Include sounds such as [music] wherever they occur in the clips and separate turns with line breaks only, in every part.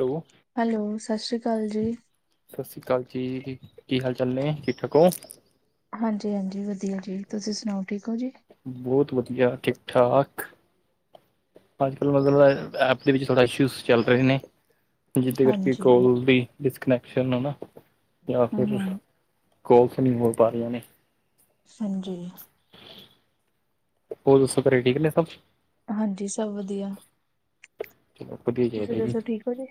Hello.
Hello ਸਤਿ ਸ਼੍ਰੀ ਅਕਾਲ ਜੀ
ਸਤਿ ਸ਼੍ਰੀ ਅਕਾਲ ਜੀ ਕੀ ਹਾਲ ਚਾਲ ਨੇ ਠੀਕ ਠਾਕ ਹੋ।
ਹਾਂਜੀ- ਹਾਂਜੀ। ਵਧੀਆ ਜੀ ਤੁਸੀਂ ਸੁਣਾਓ ਠੀਕ ਹੋ ਜੀ।
ਬਹੁਤ ਵਧੀਆ ਠੀਕ ਠਾਕ। ਅੱਜ ਕੱਲ੍ਹ ਮਤਲਬ ਐਪ ਦੇ ਵਿੱਚ ਥੋੜ੍ਹਾ ਇਸ਼ੂਜ਼ ਚੱਲ ਰਹੇ ਨੇ ਜਿਹਦੇ ਕਰਕੇ
ਹਾਂਜੀ,
ਕੋਲ ਵੀ ਡਿਸਕਨੈਕਸ਼ਨ ਹੈ ਨਾ ਜਾਂ ਫਿਰ
ਹੂੰ-ਹੂੰ,
ਕੋਲਸ ਨਹੀਂ ਹੋ ਪਾ ਰਹੀਆਂ ਨੇ।
ਹਾਂਜੀ।
ਉਹ ਦਸ ਘਰੇ ਠੀਕ ਨੇ ਸਭ।
ਹਾਂਜੀ। ਸਭ ਵਧੀਆ।
ਚਲੋ ਵਧੀਆ
ਤੁਸੀਂ
ਚਾਹੀਦਾ ਜੀ
ਦੱਸੋ ਠੀਕ ਹੋ ਜੇ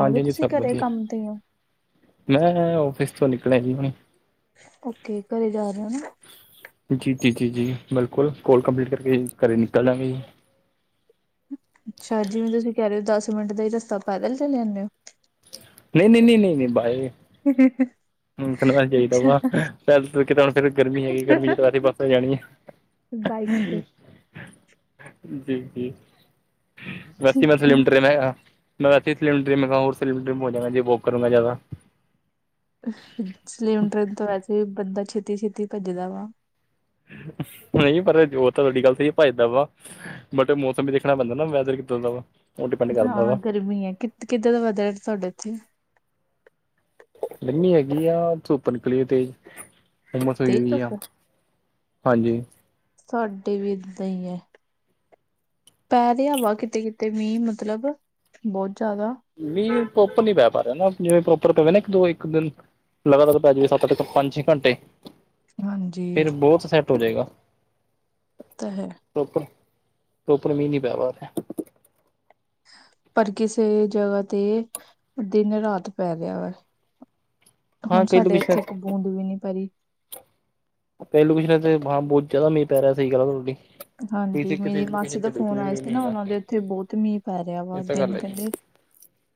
ਹਾਂਜੀ
ਆਗੇ
ਹਾਂਜੀ
ਤੁਸੀਂ
ਸਭ
ਘਰੇ
ਵਧੀਆ
ਕੰਮ ਤੇ ਹੋ।
ਮੈਂ ਆਫਿਸ ਤੋਂ ਨਿਕਲਿਆ ਸੀ ਹੁਣ।
ਓਕੇ ਘਰੇ ਜਾ ਰਹੇ ਹੋ ਨਾ।
ਜੀ- ਜੀ ਜੀ- ਜੀ ਬਿਲਕੁਲ ਕੋਲ ਕੰਪਲੀਟ ਕਰਕੇ ਘਰ ਨਿਕਲ ਜਾਗੇ ਜੀ
ਅੱਛਾ। ਜਿਵੇਂ ਤੁਸੀਂ ਕਹਿ ਰਹੇ ਹੋ ਦਸ ਮਿੰਟ ਦਾ ਹੀ ਰਸਤਾ ਪੈਦਲ ਚਲੇ ਜਾਂਦੇ ਹੋ।
ਨਹੀਂ- ਨਹੀਂ, ਨਹੀਂ ਨਹੀਂ, ਨਹੀਂ ਬਾਈ
[inaudible]
ਰੱਖਣਾ ਚਾਹੀਦਾ
ਅੱਛਾ,
ਵਾ ਪੈਲੈਸ ਫਿਰ ਗਰਮੀ ਹੈਗੀ ਗਰਮੀ ਜਦੋਂ ਵਾਪਸ ਬੱਸ ਜਾਣੀ ਆ।
ਬਾਈਕਸ ਤੇ ਠੀਕ ਹੈ।
[inaudible] [inaudible]
ਸਲੀਮ ਤ੍ਰਿਮ ਤੇ ਵੈਸੇ ਬੰਦਾ ਛੇਤੀ ਛੇਤੀ ਭੱਜਦਾ ਵਾ
ਨਹੀਂ ਪਰ ਉਹ ਤਾਂ ਤੁਹਾਡੀ ਗੱਲ ਤੇ ਭੱਜਦਾ ਵਾ। ਬਟ ਮੌਸਮ ਵੀ ਦੇਖਣਾ ਪੈਂਦਾ ਨਾ ਵੈਦਰ ਕਿੱਦਾਂ ਦਾ ਵਾ? ਉਹ ਡਿਪੈਂਡ ਕਰਦਾ
ਹਾਂ।
ਵਾ
ਗਰਮੀ ਹੈ ਕਿ ਕਿੱਦਾਂ ਦਾ ਵੈ ਦਾ ਤੁਹਾਡੇ ਇੱਥੇ
ਹੈਗੀ ਆ ਧੁਪ ਨਿਕਲੀ ਏ ਤੇ ਹੁਮਸ ਹੋਈ
ਤੇਜ਼
ਹੋਈ ਆ
ਧੁੱਪ ਹੈ?
ਹਾਂਜੀ।
ਸਾਡੇ ਵੀ ਏਦਾਂ ਈ ਐ। ਪੈ ਰਿਆ ਵਾ ਕਿਤੇ-ਕਿਤੇ ਮੀਂਹ ਮਤਲਬ ਬਹੀਤ ਜਾਦਾ।
ਮੀਂਹ ਪ੍ਰੋਪਰ ਨੀ ਪੈ ਪਾ ਰਿਆ ਨਾ ਜਿਵੇਂ ਪ੍ਰੋਪਰ ਪਵੇ ਨਾ ਇੱਕ ਦੋ ਇੱਕ ਦਿਨ। ਲਗਾਤਾਰ ਪੈ ਜਾਵੇ ਸੱਤ ਪੰਜ-ਛੇ ਘੰਟੇ
ਹਾਂਜੀ ਇਹ
ਫਿਰ ਬੋਤ ਸੈੱਟ ਹੋਜੇਗਾ
ਤਾਂ ਹੈ।
ਪ੍ਰੋਪਰ ਪ੍ਰੋਪਰ ਮੀਹ ਨਹੀਂ ਪੈ ਰਿਆ
ਪਰ ਕਿਸੇ ਜਗ੍ਹਾ ਤੇ ਦਿਨ ਰਾਤ ਪੈ ਰਿਆ ਵਾ
[unintelligible]
ਹੁਣ ਸਾਡੇ ਇੱਥੇ ਇੱਕ ਬੂੰਦ ਵੀ ਨੀ ਪੈਰੀ
ਪੇਲੂ ਕੁੱਛ ਨਾ ਤੇ ਹਾਂ ਬਾ ਬਹੁਤ ਜਾਦਾ ਮੀਂਹ ਪੈ ਰਿਹਾ ਸਈ ਗੱਲ ਆ ਥੋੜੀ।
ਹਾਂਜੀ। ਮੇਰੀ ਮਾਸੀ ਦਾ ਫੋਨ ਆਇਆ ਸੀ
ਹੈਗਾ
ਓਨਾ ਦੇ ਉਥੇ ਬਹੀਤ ਮੀਂਹ ਪੈ ਰਿਹਾ
ਇਹ
ਵਾ
ਤਾਂ ਗੱਲ
ਦਿਨ
ਹੈਗੀ।
ਕੈਂਦੇ।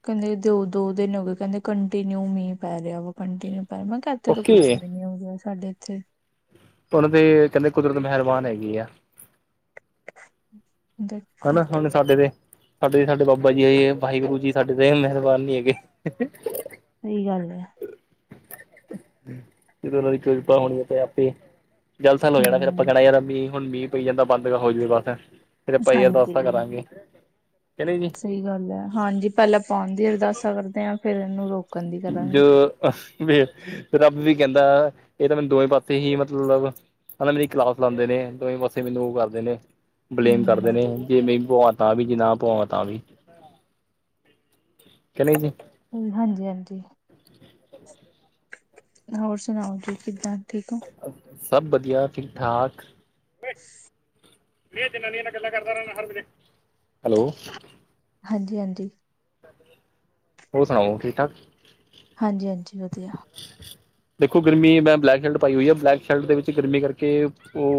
ਕੈਂਦੇ ਦੋ ਦਿਨ ਹੋਗੇ ਕੈਦੇ ਕੰਟੀਨਿਊ ਮੀਂਹ ਪੈ ਰਿਹਾ ਕੰਟੀਨਿਊ ਪੈ ਰਿਹਾ ਮੈਂ ਕ ਏਥੇ ਤਾਂ ਕੁੱਛ
ਓਕੇ
ਵੀ ਨੀ ਹੋਗਾ ਸਾਡੇ ਏਥੇ।
ਹੁਣ ਤੇ ਕੇਂਦੇ ਕੁਦਰਤ ਮਿਹਰਬਾਨ ਹੈਗੀ ਆ।
[inaudible]
ਹਨਾ ਹੁਣ ਸਾਡੇ ਤੇ ਸਾਡੇ- ਸਾਡੇ ਬਾਬਾ ਜੀ ਹੈ ਵਾਹਿਗੁਰੂ ਜੀ ਸਾਡੇ ਤਾਂ ਮਿਹਰਬਾਨ ਨੀ ਹੈਗੇ।
ਸਹੀ ਗੱਲ ਹੈ।
ਤੇ ਉਹਨਾਂ ਦੀ ਚਿੰਤਾ ਹੋਣੀ ਆ ਤੇ ਆਪੇ। ਜਲਥਲ ਹੋ ਜਾਣਾ ਫਿਰ
ਹਮ
ਆਪਾਂ ਕਹਿਣਾ ਯਾਰ ਮੀਂਹ ਪਈ ਜਾਂਦਾ ਬੰਦ ਹੋ ਜਾਵੇ ਬਸ। ਭਾਈ
ਹਾਂਜੀ
ਅਰਦਾਸਾਂ ਕਰਾਂਗੇ ਚਲੋ ਜੀ।
ਸਈ ਗੱਲ ਐ ਹਾਂਜੀ ਪੈਲਾਂ ਪੋਣ ਦੀ ਅਰਦਾਸਾ ਕਰਦੇ ਆ ਫੇਰ ਏਨੂੰ ਰੋਕਣ- ਦੀ ਕਰਾਂਗੇ
ਜੋ ਅ ਵੀ ਰੱਬ ਵੀ ਕੈਂਦਾ ਏ ਤਾਂ ਮੈਨੂੰ ਦੋਵੇਂ ਪਾਸੇ ਹੀ ਮਤਲਬ ਇਹ ਮੇਰੀ ਕਲਾਸ ਲਾਂਦੇ ਨੇ ਦੋਵੇਂ ਪਾਸੇ ਮੈਨੂੰ ਓ ਕਰਦੇ ਨੇ। ਬਲੇਮ ਕਰਦੇ ਨੇ
ਹੂੰ,
ਜੇ ਮੈ ਪਵਾ ਤਾਂ ਵੀ ਜੇ ਨਾ ਪਵਾਵਾ ਤਾਂ ਵੀ। ਕੇ ਨਈ ਜੀ।
ਹਾਂਜੀ-ਹਾਂਜੀ। ਹੋਰ ਸੁਣਾਓ ਜੀ ਕਿੱਦਾਂ ਠੀਕ ਓ?
ਸਭ ਵਧੀਆ, ਠੀਕ-ਠਾਕ।
[unintelligible]
ਕੇਡੀਆਂ ਜਨਾਨੀਆ ਨਾਲ ਗੱਲਾਂ ਕਰਦਾ ਰੈਂਦਾ ਹਰ ਵੇਲੇ, ਹੈਲੋ।
ਹਾਂਜੀ-ਹਾਂਜੀ।
ਹੋਰ ਸੁਣਾਓ ਠੀਕ-ਠਾਕ।
ਹਾਂਜੀ-ਹਾਂਜੀ, ਵਧੀਆ।
ਦੇਖੋ ਗਰਮੀ ਮੈਂ ਬਲੈਕ ਸ਼ਲਟ ਪਾਈ ਹੋਈ ਆ ਬਲੈਕ ਸ਼ਲਟ ਦੇ ਵਿੱਚ ਗਰਮੀ ਕਰਕੇ ਓ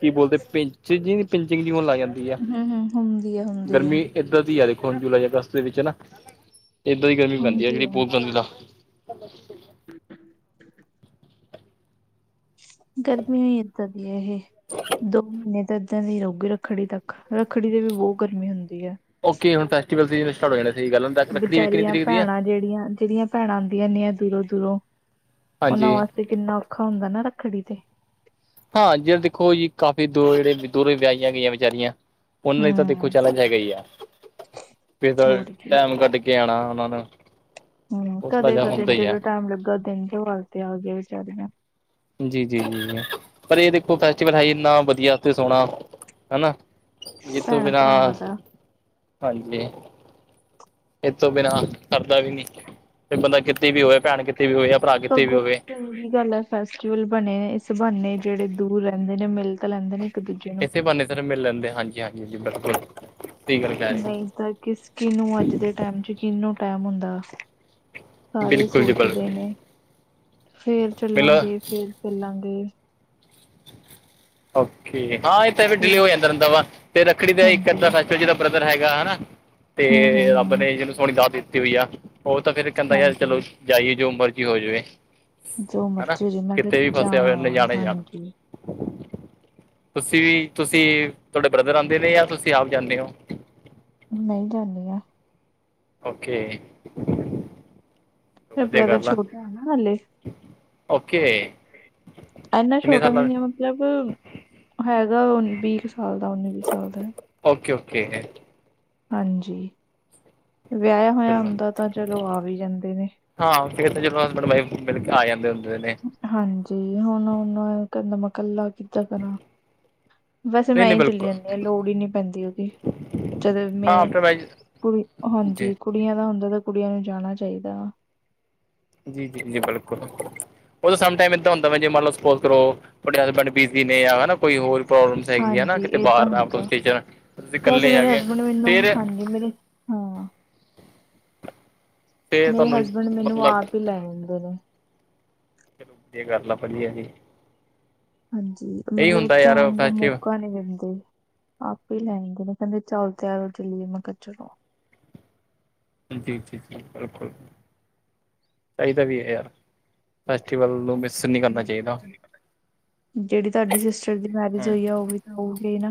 ਕੀ ਬੋਲਦੇ ਪਿੰਚ ਜੀ-ਪਿੰਚ ਜੀ ਹੋਣ ਲੱਗ ਜਾਂ ਗੀਆ
ਹਮ ਹਮ ਹੁੰਦੀ ਐ, ਹੁੰਦੀ ਐ।
ਗਰਮੀ ਏਦਾਂ ਦੀਆ ਦੇਖੋ ਹੁਣ ਜੁਲਾਈ, ਅਗਸਤ ਦੇ ਵਿੱਚ ਨਾ ਏਦਾਂ ਦੀ ਗਰਮੀ ਪੈਂਦੀ ਐ
ਹੁੰਦੀ
ਜੇੜੀ
ਆ,
ਪੋ ਦਾ
[unintelligible] ਗਰਮੀ ਇਹਦਾ ਦੀਹੀ ਹੈ ਇਹ ਦੋ ਮਹੀਨੇ ਐਦਾਂ ਦੀ ਰਹੂਗੀ ਰੱਖੜੀ ਤੱਕ, ਰੱਖੜੀ ਤੇ ਵੀ ਬੋ ਗਰਮੀ ਹੁੰਦੀ ਆ।
ਓਕੇ ਹੁਣ ਫੈਸਟੀਵਲ ਸੀਜ਼ਨ ਸਟਾਰਟ ਹੋ ਜਾਨੇ।
ਬੀਚਾਰੀਆਂ ਭੈਣਾਂ ਜੇਡੀਆਂ-ਜੇਡੀਆਂ ਪੈਣਾ ਅੰਦੀਆ ਨੀ ਏਨੀ ਦੂਰੋਂ-ਦੂਰੋਂ ਇਨਾਂ
ਹਾਂਜੀ
ਵਾਸਤੇ ਕਿੰਨਾ ਔਖਾ ਹੁੰਦਾ ਨਾ ਰੱਖੜੀ ਤੇ।
ਹਾਂ, ਜੇ ਦੇਖੋ ਜੀ ਕਾਫੀ ਦੂਰ ਜੇੜੇ ਦੂਰ ਵਿਆਈਆਂ ਗਈਆਂ ਵਿਚਾਰੀਆਂ। ਓਨਾਂ ਲਈ ਤਾਂ ਦੇਖੋ
ਹੂੰ,
ਚੈਲੇਂਜ ਹੈਗਾ ਈ ਆ ਫਿਰ
ਹੋਰ ਕੀ।
ਟਾਈਮ ਕੱਢ ਕੇ ਆਣਾ ਓਹਨਾ ਨੂੰ।
ਹੂੰ,
ਉਹ ਥੋੜਾ ਜਿਹਾ
ਕਦੇ-ਕਦੇ
ਹੁੰਦਾ ਹੀ ਹੈ
ਜਦੋਂ ਟੈਮ ਲੱਗਾ ਦਿਨ ਤੋਂਹਾਰ ਤੇ ਆਗੇ ਵਿਚਾਰੀਆਂ।
ਜੀ-ਜੀ ਪਰ ਏ ਦੇਖੋ ਫੈਸਟੀਵਲ ਹੈ ਹੀ ਇੰਨਾ ਵਧੀਆ ਤੇ ਸੋਣਾ ਹੈਨਾ। ਇਹ ਤੋ ਬਿਨਾਂ
ਭੈਣ-ਭਰਾਵਾਂ ਦਾ
ਹਾਂਜੀ। ਇਹ ਤੋ ਬਿਨਾਂ ਸਰਦਾ ਵੀ ਨੀ ਬੰਦਾ ਕਿੱਥੇ ਵੀ ਹੋਵੇ ਭੈਣ ਕਿੱਥੇ ਵੀ ਹੋਵੇ ਜਾਂ ਭਰਾ ਕਿੱਥੇ ਵੀ ਹੋਵੇ।
ਉਹੀ ਗੱਲ ਹੈ ਫੈਸਟੀਵਲ ਬਣੇਨੇ ਇਸ ਬਾਨੇ ਜਿਹੜੇ ਦੂਰ ਰਹਿੰਦੇ ਨੇ ਮਿਲ ਤਾਂ ਲੈਂਹਿੰਦੇ ਨੇ। ਦੂਜੇ ਨੂੰ
ਇਸੇ ਬੰਨੇ ਫਿਰ ਮਿਲ ਲੈਂਦੇ ਹਾਂਜੀ-ਹਾਂਜੀ, ਬਿਲਕੁਲ। ਸਹੀ ਗੱਲ ਕਹਿ ਰਹੇ
ਨਹੀਂ,
ਹੋ
ਤਾਂ ਕਿਸੀ ਨੂੰ ਅੱਜ ਦੇ ਟਾਈਮ ਚ ਕਿਹਨੂੰ ਟਾਈਮ ਹੁੰਦਾ? ਸਾਰੇ
ਬਿਲਕੁਲ ਜੀ
ਸੋਚਦੇ
ਬਿਲਕੁਲ
ਨੇ, ਫੇਰ
ਮਿਲੋ
ਚੱਲਾਂਗੇ, ਫੇਰ ਚੱਲਾਂਗੇ।
ਓਕੇ, ਹਾਂ ਇਹ ਤਾਂ ਵੀ ਡਿਲੇ
ਸਭ
ਹੋ ਜਾਂਦਾ ਰਹਿੰਦਾ ਵਾ ਤੇ ਰੱਖੜੀ ਦਾ ਇੱਕ
ਹਾਂਜੀ
ਇਏਧਾਂ ਫੈਸ ਫਿਰ ਜਿਹੜਾ ਬ੍ਰਦਰ ਹੈਗਾ ਹੈਨਾ ਤੇ
ਹੂੰ ਹੂੰ
ਰੱਬ
ਹੂੰ
ਨੇ ਜਿਹਨੂੰ ਸੋਹਣੀ ਦਾਤ ਦਿੱਤੀ ਹੋਈ ਆ। ਉਹ ਤਾਂ ਫੇਰ ਕਹਿੰਦਾ ਯਾਰ
ਹਾਂਜੀ
ਚਲੋ ਜਾਈਏ ਜੋ ਮਰਜ਼ੀ ਹੋ ਜਾਵੇ।
ਜੋ
ਹੈਨਾ
ਮਰਜ਼ੀ ਹੋ ਜੇ ਮੈਂ ਤਾਂ
ਕਿਤੇ ਵੀ ਫਸਿਆ ਹੋਵੇ ਉਹਨੇ
ਵਾ
ਜਾਣਾ ਹੀ ਜਾਣਾ।
ਹਾਂਜੀ
ਤੁਸੀਂ ਵੀ ਤੁਸੀਂ ਤੁਹਾਡੇ ਬ੍ਰਦਰ ਆਉਂਦੇ ਨੇ ਜਾਂ ਤੁਸੀਂ ਆਪ ਜਾਂਦੇ ਹੋ।
ਮੈ ਹੀਂ ਜਾਂਨਿਆਂ।
ਓਕੇ।
ਤੇ
ਵਧੀਆ
ਬ੍ਰਦਰ
ਗੱਲ ਆ
ਛੋਟਾ ਹੈਨਾ ਹਲੇ।
ਓਕੇ।
ਇੰਨਾ
ਕਿੰਨੇ
ਛੋਟਾ ਵੀ
ਸਾਲਾਂ
ਨਹੀਂ ਮਤਲਬ। ਹੈਗਾ ਵੀਹ ਕੁ ਸਾਲ ਦਾ ਉੱਨੀ-ਵੀਹ ਸਾਲ ਦਾ।
ਓਕੇ-ਓਕੇ ਹੈ।
ਹਾਂਜੀ, ਵਿਆਇਆ ਹੋਇਆ
ਚਲੋ
ਹੁੰਦਾ ਤਾਂ ਚਲੋ ਆ ਵੀ ਜਾਂਦੇ ਨੇ।
ਹਾਂ, ਫੇਰ ਤਾਂ ਚਲੋ ਹਸਬੈਂਡ-ਵਾਈਫ ਮਿਲ ਕੇ ਆ ਜਾਂਦੇ ਹੁੰਦੇ ਨੇ।
ਹਾਂਜੀ, ਹੁਣ ਓਨੂੰ ਕੈਂਹਿਦਾ ਮੈਂ ਕੱਲਾ ਕਿੱਦਾਂ ਕਰਾਂ? ਵੈਸੇ
ਨਹੀਂ
ਮੈਂ
ਨਹੀਂ
ਈ ਚੁੱਲੀ
ਬਿਲਕੁਲ
ਜਾਂਨੀ ਆ ਲੋੜ ਈ ਨੀ ਪੈਂਦੀ ਓਦੀ। ਜਦੋਂ
ਹਾਂ
ਮੈਂ
ਆਫਟਰ ਮੈਰਿਜ
ਕੁੜੀ
ਜੀ
ਹਾਂਜੀ, ਕੁੜੀਆਂ ਦਾ ਹੁੰਦਾ ਤਾਂ ਕੁੜੀਆਂ ਨੂੰ ਜਾਣਾ ਚਾਹੀਦਾ ਵਾ।
ਜੀ-ਜੀ-ਜੀ, ਬਿਲਕੁਲ। ਉਹ ਸਮ ਟਾਈਮ ਇੱਦਾਂ ਹੁੰਦਾ ਵ ਜੇ ਮੰਨ ਲੋ ਸਪੋਜ ਕਰੋ, ਤੁਹਾਡੇ ਹਸਬੈਂਡ ਬਿਜ਼ੀ ਨੇ, ਯਾ ਨਾ ਕੋਈ ਹੋਰ। ਪ੍ਰੋਬਲਮ ਸਹੀ ਹੈਗੀ ਆ ਨਾ,
ਹਾਂਜੀ
ਕਿਤੇ
ਏਦਾਂ
ਬਾਹਰ ਨਾ ਆਪ
ਹੁੰਦਾ
ਅਸੀਂ
ਵੈਸੇ
ਇਕੱਲੇ
ਮੇਰੇ
ਹੈਗੇ ਆ,
ਹਸਬੈਂਡ ਮੈਨੂੰ
ਫਿਰ
ਹਾਂਜੀ ਮੇਰੀ। ਹਾਂ
ਤੇ
ਮੇਰੇ
ਤੁਹਾਨੂੰ
ਹਸਬੈਂਡ, ਮੈਨੂੰ
ਮਤਲਬ
ਆਪ ਹੀ ਲੈ ਆਦੇ ਨੇ
ਚਲੋ ਵਧੀਆ ਗੱਲ ਆ, ਵਧੀਆ ਜੀ।
ਹਾਂਜੀ,
ਇਹੀ
ਮਤਲਬ
ਹੁੰਦਾ ਯਾਰ
ਕਹਿਣ ਦਾ
ਫੈਸਟੀਵਲ
ਮੌਕਾ ਨਹੀਂ ਦਿੰਦੇ। ਆਪ ਹੀ ਲੈਗੇ ਨਾ, ਕਹਿੰਦੇ ਚਲ ਤਿਆਰ ਹੋ ਚੱਲਿਏ, ਮੈਂ ਕੇਹਾ ਚਲੇ।
ਜੀ ਜੀ ਜੀ ਰੱਖੋ ਰੱਖੋ ਚਾਹੀਦਾ ਵੀ ਹੈ ਯਾਰ, ਫੈਸਟੀਵਲ ਨੂੰ ਮਿਸ। ਨਹੀਂ ਕਰਨਾ ਚਾਹੀਦਾ
ਜਿਹੜੀ ਤੁਹਾਡੀ ਸਿਸਟਰ ਦੀ ਮੈਰਿਜ
ਹੂੰ
ਹੋਈ ਆ, ਉਹ ਵੀ ਤਾਂ ਹੋਊਗੀ ਨਾ।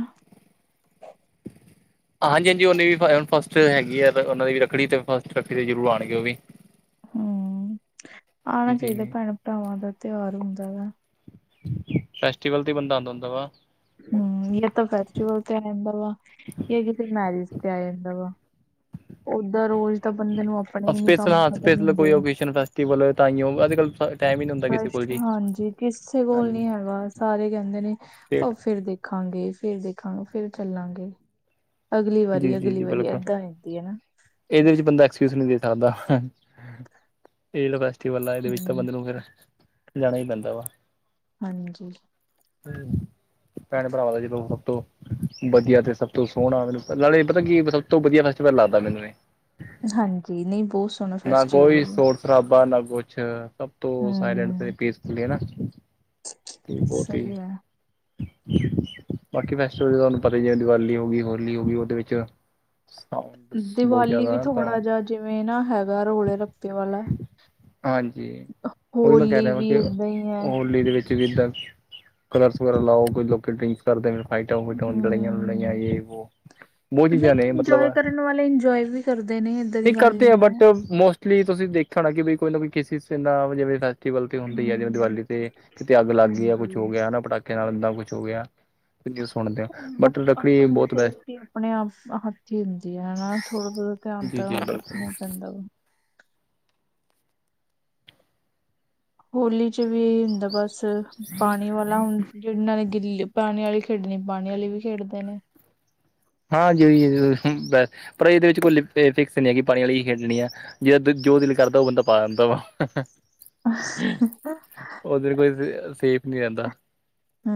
ਹਾਂਜੀ ਹਾਂਜੀ ਉਹਨੇ ਵੀ ਪਾਯਾ, ਹੁਣ ਫਸਟ ਹੈਗੀ ਹੈ ਉਹ ਦੀ ਵੀ ਰੱਖੜੀ, ਤੇ ਫਸਟ ਰੱਖੜੀ ਤੇ ਜ਼ਰੂਰ ਆਉਣਗੇ ਉਹ ਵੀ।
ਹੂ, ਆਣਾ ਚਾਹੀਦਾ
ਜੀ
ਭੈਣ ਭਰਾਵਾਂ ਦਾ ਤਿਉਹਾਰ ਹੁੰਦਾ ਵੈ।
ਫੈਸਟੀਵਲ ਤੇ ਹੀ, ਬੰਦਾ ਆਉਦਾ ਹੁੰਦਾ ਵਾ।
ਹੂ, ਇਹ ਤਾਂ ਫੈਸਟੀਵਲ ਤੇ ਆ ਜਾਂਦਾ ਵ, ਯ ਕਿਤੇ ਮੈਰਿਜ ਤੇ ਆ ਜਾਂਦਾ ਵ। ਉਦਾਂ, ਰੋਜ਼ ਤਾਂ ਬੰਦੇ ਨੂੰ। ਆਪਣੇ ਹੀ ਨੀ
ਸਪੈਸ਼ਲ
ਕੰਮ
ਹਾਂ
ਖਤਮ
ਸਪੈਸ਼ਲ ਕੋਈ
ਹੁੰਦੇ
ਔਕੇਸ਼ਨ ਫੈਸਟੀਵਲ ਹੋਵੇ ਤਾਂ ਹੀ ਹੋ, ਅੱਜ ਕਲ।
ਕਸ਼ਟ, ਹਾਂਜੀ ਕਿਸੇ ਕੋਲ
ਹਾਂਜੀ
ਨੀ ਹੈਗਾ, ਸਾਰੇ ਕਹਿੰਦੇ ਨੇ ਉਹ
ਸਟੇਟ
ਫਿਰ ਦੇਖ ਦੇਖਾਂਗੇ, ਫਿਰ ਦੇਖਾਂਗੇ, ਫਿਰ ਚੱਲਾਂਗੇ। ਅਗਲੀ
ਜੀ
ਵਾਰੀ,
ਜੀ
ਅਗਲੀ
ਜੀ
ਵਾਰੀ,
ਬਿਲਕੁਲ
ਏਦਾਂ ਹੁੰਦੀ ਹੈ ਨਾ।
ਇਹਦੇ ਵਿੱਚ ਬੰਦਾ ਐਕਸਕਿਊਜ ਨਹੀਂ ਦੇ ਸਕਦਾ, ਇਹ ਲੋ ਏਹ ਬੰਦਾ, ਇਹਦੇ ਵਿੱਚ ਤਾਂ
ਹੂੰ
ਬੰਦੇ ਨੂੰ ਫਿਰ, ਜਾਣਾ ਹੀ ਪੈਂਦਾ ਵਾ।
ਹਾਂਜੀ।
ਭੈਣ ਭਰਾਵਾਂ ਦਾ ਜਦੋਂ, ਸਭ ਤੋਂ ਵਧੀਆ ਤੇ ਸਭ ਤੋਂ ਸੋਹਣਾ, ਮੈਂਨੂੰ ਨਾਲੇ ਪਤਾ ਕੀ ਐ, ਸਭ ਤੋਂ ਵਧੀਆ ਫੈਸਟੀਵਲ ਲਗਦਾ ਮੈਨੂੰ ਇਹ।
ਹਾਂਜੀ, ਨਹੀਂ ਬਹੁਤ ਸੋਹਣਾ ਫੈਸਟੀਵਲ ਵੇ।
ਸਰਾਬਾ ਨਾ ਕੁਛ, ਸਭ ਤੋਂ ਸਾਇਲੈਂਟ ਤੇ
ਹੂੰ
ਪੀਸਫੁਲੀ ਹੈਨਾ ਤੇ ਬਹੁਤੀ
ਸਹੀ ਹੈ
ਬਾਕੀ ਫੈਸਟੀਵਲ ਤੁਹਾਨੂੰ ਪਤਾ ਹੀ ਹੈ, ਜਿਵੇਂ ਦੀਵਾਲੀ ਹੋ ਗਈ ਹੋਲੀ ਹੋ ਗਈ, ਉਹਦੇ ਵਿੱਚ ਸਾਊਂਡ ਬਹੁਤ
ਦੀਵਾਲੀ ਵੀ
ਜ਼ਿਆਦਾ ਤਾਂ
ਥੋੜ੍ਹਾ ਜਿਹਾ ਜਿਵੇਂ ਨਾ ਹੈਗਾ, ਰੋਲੇ ਰੱਪੇ ਵਾਲਾ।
ਹਾਂਜੀ, ਉਹੀ ਮੈਂ ਕਹਿ
ਹੋਲੀ
ਰਿਹਾ ਵਾਂ,
ਵੀ
ਕਿ
ਏਦਾਂ ਹੀ ਹੈ
ਹੋਲੀ ਦੇ ਵਿੱਚ ਵੀ ਇਦਾਂ ਕਲਰ੍ਸ ਵਗੈਰਾ ਲਾਓ, ਕੁਝ ਲੋਕ ਡਰਿੰਕਸ ਕਰਦੇ ਨੇ। ਆਈਟਾਂ ਲੂਇਟਾਂ, ਹੁਣ ਲੜਾਈਆਂ ਲੜਿਆਂ
ਹਮ
ਏ ਵੋ। ਬਹੁਤ
ਨਹੀਂ
ਚੀਜ਼ਾਂ ਨੇ ਮਤਲਬ
ਇੰਜੋਏ ਕਰਨ ਵਾਲੇ, ਇੰਜੋਏ ਵੀ ਕਰਦੇ ਨੇ। ਦੀ
ਨਹੀਂ
ਗੱਲ
ਕਰਦੇ ਆ,
ਹੈ
ਬਟ ਮੋਸਟਲੀ ਤੁਸੀਂ ਦੇਖਿਆ ਹੋਣਾ, ਕਿ ਵੀ ਕੋਈ ਨਾ ਕੋਈ ਕਿਸੇ ਨਾਲ, ਜਿਵੇ ਫੈਸਟੀਵਲ ਤੇ ਹੁੰਦੀ ਆ, ਜਿਵੇਂ
ਹਮ,
ਦੀਵਾਲੀ ਤੇ ਕਿਤੇ ਅੱਗ ਲੱਗ ਗਈ ਆ ਕੁਛ ਹੋ
ਹਾਂਜੀ
ਗਿਆ ਨਾ, ਪਟਾਕੇਆਂ ਨਾਲ ਇੱਦਾਂ ਕੁਛ ਹੋ ਗਿਆ। ਸੁਣਦੇ ਆ, ਬਟ
ਆਪ-
ਰੱਕੜੀ
ਆਪਣੀ
ਬਹੁਤ ਬੈਸਟ
ਸੇਫਟੀ ਆਪਣੇ ਆਪ ਹੱਥ ਹੀ ਹੁੰਦੀ ਆ ਹੈਨਾ, ਥੋੜਾ ਬ ਧਿਆਨ
ਜੀ
ਤਾਂ
ਜੀ ਬਿਲਕੁਲ
ਰਖਣਾ ਹੀ ਪੈਂਦਾ ਵੈ। ਹੋਲੀ ਚ ਵੀ ਹੁੰਦਾ ਬਸ, ਪਾਣੀ ਵਾਲਾ ਹੁੰ ਜਿਨਾਂ ਨੇ ਗਿੱਲੀ, ਪਾਣੀ ਵਾਲੀ ਖੇਡਣੀ, ਪਾਣੀ ਵਾਲੀ ਵੀ ਖੇਡਦੇ ਨੇ।
ਹਾਂਜੀ ਬਸ ਪਰ, ਇਹਦੇ ਵਿੱਚ ਕੋਈ ਫਿਕਸ ਨਹੀਂ ਹੈਗੀ, ਪਾਣੀ ਵਾਲੀ ਹੀ ਖੇਡਣੀ ਆ। ਜਿਦਾ ਜੋ ਦਿਲ ਕਰਦਾ, ਉਹ ਬੰਦਾ ਪਾ ਦਿੰਦਾ ਵਾ
[inaudible]
ਉਹ ਦਿਨ ਕੋਈ ਸੇਫ ਨਹੀਂ ਰਹਿੰਦਾ
ਹੂ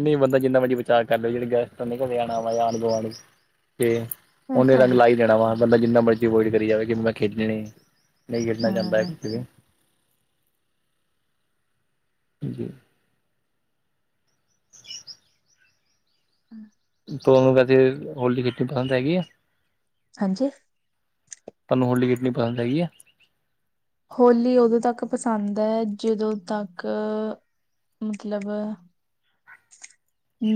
ਨਹੀ ਬੰਦਾ ਜਿੰਨਾ ਮਰਜ਼ੀ ਵਿਚਚਾਰ ਕਰ ਲੇ, ਜਿਹੜੇ ਗੈਸਟਾਂ ਨੇ ਘਰੇ ਆਉਣਾ, ਮਤਲਬ ਆਲੇ ਦੁਆਲੇ, ਤੇ
ਇਹ
ਉਹਨੇ
ਤਾਂ
ਰੰਗ
ਹੈ
ਲਾਈ ਦੇਣਾ ਵਾ, ਬੰਦਾ ਜਿੰਨਾ ਮਰਜ਼ੀ ਅਵੋਇਡ ਕਰੀ ਜਾਵੇ, ਕਿ ਮੈਂ ਖੇਡਣੇ ਨਹੀਂ ਗਿਰਨਾ ਚਾਹੁੰਦਾ ਹੈ
ਹਮ
ਕੁਛ ਵੀ। ਜੀ।
ਹਮ [unintelligible]
ਤੁਹਾਨੂੰ ਵੈਸੇ, ਹੋਲੀ ਪਸੰਦ ਹੈਗੀ ਐ।
ਹਾਂਜੀ
ਤੁਹਾਨੂੰ ਹੋੌਲੀ ਖੇਡਣੀ ਪਸੰਦ ਹੈਗੀ ਹੈ
ਹੋਲੀ ਉਦੋਂ ਤੱਕ ਪਸੰਦ ਹੈ ਜਦੋਂ ਤੱਕ ਮਤਲਬ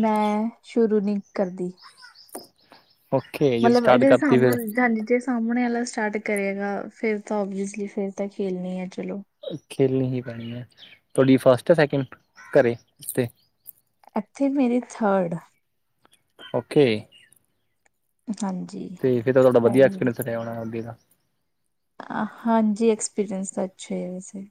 ਮੈਂ ਸ਼ੁਰੂ ਨੀ ਕਰਦੀ
ਓਕੇ ਜਦੋਂ
ਮਤਲਬ
ਸਟਾਰਟ
ਇਹਦੇ
ਕਰਤੀ ਫਿਰ
ਸਾਹਮਣੇ ਜਾਂ ਜ ਸਾਹਮਣੇ ਵਾਲਾ ਸਟਾਰਟ ਕਰੇਗਾ ਫੇਿਰ ਤਾਂ ਓਬਸ ਫਿਰ ਤਾਂ ਖੇਲਣੀ ਆ ਚਲੋ
ਖੇਲਣੀ ਹੀ ਪੈਣੀ ਹੈ ਤੁਹਾਡੀ ਫਸਟ ਹੈ ਸੈਕਿੰਡ ਘਰ ਉਤੇ
ਇੱਥੇ ਮੇਰੀ ਥਰਡ
ਓਕੇ
ਹਾਂਜੀ
ਤੇ ਫਿਰ ਤੁਹਾਡਾ ਵਧੀਆ
ਥਰਡ
ਐਕਪਰੀਅੰਸ ਰਿਹਾ ਉਹਣਾੱਗੇ ਦਾ
ਹਾਂਜੀ ਐਕਸਪੀਰੀਅੰਸ ਤਾਂ ਅੱਛਾ ਹੈ ਵੈਸੇ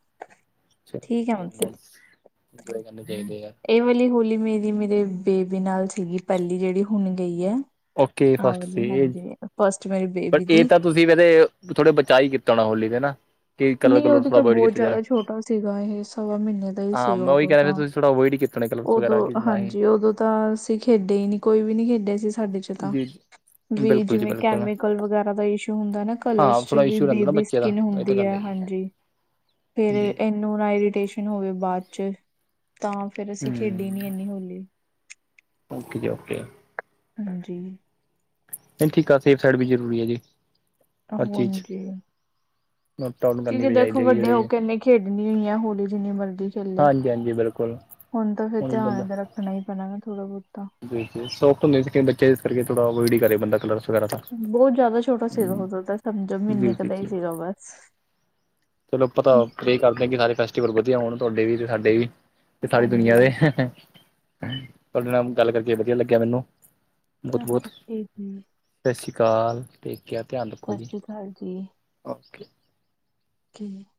ਠੀਕ ਹੈ
ਗੇ
ਮਤਲਬ
ਇੰਜੋਏ ਕਰਨੇ ਚਾਹੀਦੇ ਆ
ਇਹ ਵਾਲੀ ਹੋਲੀ ਮੇਰੀ ਮੇਰੇ ਬੇਬੀ ਨਾਲ ਸੀਗੀ ਪਹਿਲੀ ਜਿਹੜੀ ਹੁਣ ਗਈ ਹੈ
ਓਕੇ
ਆਹ
ਫਸਟ
ਵਾਲੀ
ਸੀ ਇਹ
ਹਾਂਜੀ ਫਸਟ ਮੇਰੀ
ਪਰ
ਬੇਬੀ ਦੀ
ਤਾਂ ਤੁਸੀਂ ਵੀ ਫਿਰ ਥੋੜੇ ਬਚਾ ਹੀ ਕੀਤਾ ਹੋਣਾ ਹੋਲੀ ਦੇ ਨਾ ਕਿ ਕਲਰ
ਨਹੀਂ
ਕਲਰ
ਉਦੋਂ
ਥੋੜਾ
ਤਾਂ
ਅਵੋਇਡ
ਬਹੁਤ
ਕੀਤਾ ਜਾਵੇ
ਜ਼ਿਆਦਾ ਛੋਟਾ ਸੀਗਾ ਇਹ ਸਵਾ ਮਹੀਨੇ ਦਾ ਹੀ
ਹਾਂ
ਸੀਗਾ
ਮੈਂ ਉਹੀ
ਉਦੋਂ
ਕਹਿ ਰਿਹਾ
ਤਾਂ
ਤੁਸੀਂ ਥੋੜਾ ਅਵੋਇਡ ਹੀ ਕੀਤੇ ਨੇ ਕਲਰਸ ਵਗੈਰਾ ਕਿ
ਉਦੋਂ
ਨਾ ਹੀ
ਹਾਂਜੀ ਉਦੋਂ ਤਾਂ ਅਸੀਂ ਖੇਡੇ ਹੀ ਨਹੀਂ ਕੋਈ ਵੀ ਨਹੀਂ ਖੇਡੇ ਸੀ ਸਾਡੇ ਚ ਤਾਂ
ਜੀ ਜੀ
ਵੀ
ਬਿਲਕੁਲ ਜੀ
ਜਿਵੇਂ
ਬਿਲਕੁਲ
ਕੈਮੀਕਲ ਵਗੈਰਾ ਦਾ ਇਸ਼ੂ ਹੁੰਦਾ ਨਾ ਕਲਰਸ
ਹਾਂ
ਚ
ਥੋੜਾ
ਵੀ
ਇਸ਼ੂ ਰਹਿੰਦਾ ਨਾ
ਬੇਬੀ
ਬੱਚੇ ਦਾ
ਸਕਿਨ
ਇਹ ਤਾਂ
ਹੁੰਦੀ
ਗੱਲ
ਹੈ
ਹੈਗੀ
ਹਾਂਜੀ ਫਿਰ
ਜੀ
ਇਹਨੂੰ ਨਾ ਇਰੀਟੇਸ਼ਨ ਹੋਵੇ ਬਾਅਦ ਚ ਤਾਂ ਫੇਿਰ ਅਸੀਂ ਖੇਡੀ
ਹਮ
ਨੀ ਇੰਨੀ ਹੋਲੀ
ਓਕੇ ਜੀ ਓਕੇ
ਹਾਂਜੀ
ਨਹੀਂ ਠੀਕ ਆ ਸੇਫ ਸਾਈਡ ਵੀ ਜ਼ਰੂਰੀ ਹੈ ਜੀ [unintelligible] ਹਰ ਚੀਜ਼
ਹਾਂਜੀ
ਨੋਟ ਡਾਊਨ
ਕਿ
ਕਰਨੀ
ਜੀ
ਵੀ
ਦੇਖੋ
ਚਾਹੀਦੀ ਹੈਗੀ
ਵੱਡੇ
ਜਿਹੜੀ
ਹੋਕੇ ਏਨੇ ਖੇਡਣੀ ਹੋਈ ਏ ਹੋਲੀ ਜਿੰਨੀ ਮਰਜ਼ੀ ਚਲੇ
ਹਾਂਜੀ ਹਾਂਜੀ ਬਿਲਕੁਲ
ਹੁਣ ਤਾਂ ਫੇਰ ਧਿਆਨ ਤਾਂ ਰੱਖਣਾ ਈ ਪੈਣਾ ਨਾ ਥੋੜਾ ਬੋਤਾ
ਜ ਸੌਕ ਹੁੰਦੇ ਸੀ ਕਿ ਬੱਚੇ ਇਸ ਕਰਕੇ ਥੋੜਾ, ਅਵੋਇਡ ਈ ਕਰੇ ਬੰਦਾ ਕਲਰ ਵਗੈਰਾ ਤਾਂ
ਬੋਤ ਜ਼ਾਦਾ ਛੋਟਾ ਸੀਗਾ
ਹਮ
ਉਹਦਾ ਸਮਝੋ
ਜੀ
ਮੈਨੇ
ਜੀ
ਕਦਾ ਹੀ
ਜੀ
ਸੀਗਾ ਬਸ
ਚਲੋ ਪਤਾ ਪ੍ਰੇ ਕਰਦੇ ਆ ਕਿ ਸਾਰੇ ਫੈਸਟੀਵਲ ਵਧੀਆ ਹੋਣ ਤੁਹਾਡੇ ਵੀ ਤੇ ਸਾਡੇ ਵੀ ਤੇ ਸਾਰੀ ਦੁਨੀਆਂ
ਹਾਂਜੀ
ਦੇ ਤੁਹਾਡੇ ਨਾਲ ਗੱਲ ਕਰਕੇ ਵਧੀਆ ਲੱਗਿਆ ਮੈਨੂੰ
ਹਹ ਹਾਂ [unintelligible]
ਸਸ਼ ਸੀ ਕਾਲ [unintelligible] ਠੇਕ ਕੇਰ ਧਿਆਨ ਰੱਖੋ
ਸਤਿ
ਜੀ
ਸ੍ਰੀ ਅਕਾਲ
ਓਕੇ
ਕਿਹੀਂ [inaudible]